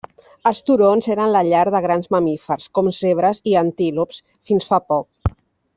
Els turons eren la llar de grans mamífers com zebres i antílops fins fa poc.